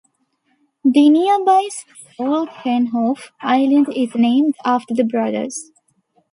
The nearby Stoltenhoff Island is named after the brothers.